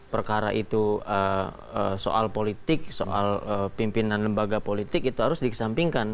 perkara itu soal politik soal pimpinan lembaga politik itu harus dikesampingkan